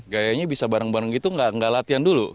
gayanya bisa bareng bareng gitu gak latihan dulu